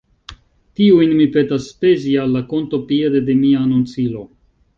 Tiujn mi petas spezi al la konto piede de mia anoncilo.